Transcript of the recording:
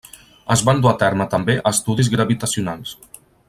Es van dur a terme també estudis gravitacionals.